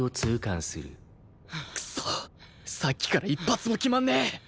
クソッさっきから一発も決まんねえ！